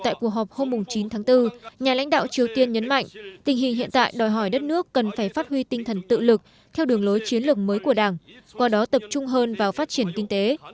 trong cuộc họp hôm chín tháng bốn nhà lãnh đạo triều tiên nhấn mạnh tình hình hiện tại đòi hỏi đất nước cần phải phát huy tinh thần tự lực theo đường lối chiến lược mới của đảng qua đó tập trung hơn vào phát triển kinh tế